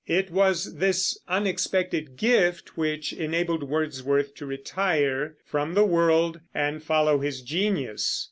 It was this unexpected gift which enabled Wordsworth to retire from the world and follow his genius.